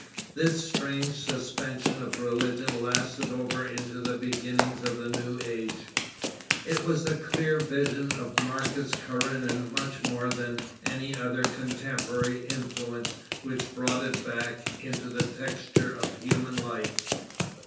This strange suspension of religion lasted over into the beginnings of the new age. It was the clear vision of Marcus Karenin much more than any other contemporary influence which brought it back into the texture of human life.